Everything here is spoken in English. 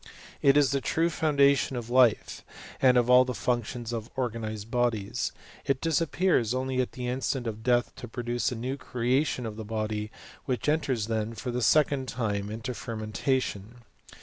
It is the true founda tion of life, and of all the functions of organized bodies ; it disappears only at the instant of death to produce a new creation of the body, which enters then, for the second time, into fermentation.